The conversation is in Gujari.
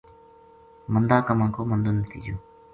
مندا کماں کو مندو نتیجو